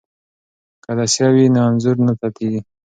که عدسیه وي نو انځور نه تتېږي.